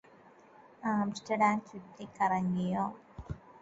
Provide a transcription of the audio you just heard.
Amsterdam ചുറ്റികറങ്ങിയോ